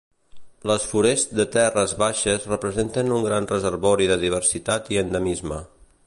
Les forests de terres baixes representen un gran reservori de diversitat i endemisme.